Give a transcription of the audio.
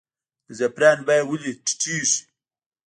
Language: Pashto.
د زعفرانو بیه ولې ټیټیږي؟